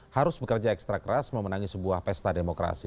harus bekerja ekstra keras memenangi sebuah pesta demokrasi